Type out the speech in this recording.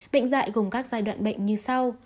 bệnh dại gồm các giai đoạn bệnh như sau